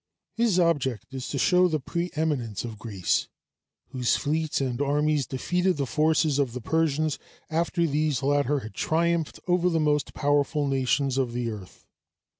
His object is to show the preëminence of Greece, whose fleets and armies defeated the forces of the Persians after these latter had triumphed over the most powerful nations of the earth.